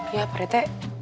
iya pak rete